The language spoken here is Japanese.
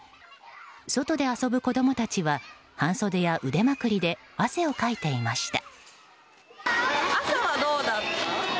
外で遊ぶ子供たちは半袖や腕まくりで汗をかいていました。